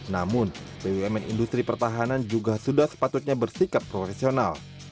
namun bumn industri pertahanan juga sudah sepatutnya bersikap profesional